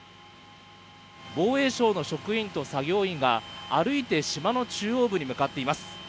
防衛省の職員と作業が歩いて島の中央部に向かっています。